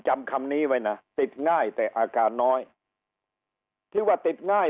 จำคำนี้ไว้นะติดง่ายแต่อาการน้อยที่ว่าติดง่าย